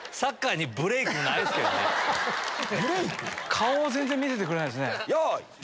顔は全然見せてくれないですね。